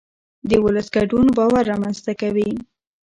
د ولس ګډون باور رامنځته کوي